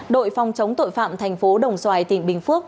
đội phòng chống tội phạm thành phố đồng xoài tỉnh bình phước